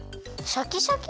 シャキシャキ。